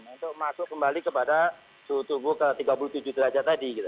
untuk masuk kembali kepada suhu tubuh ke tiga puluh tujuh derajat tadi gitu